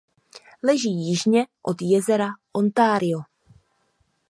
Leží jižně od jezera Ontario.